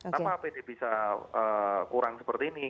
kenapa apd bisa kurang seperti ini